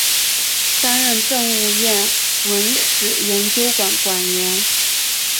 担任政务院文史研究馆馆员。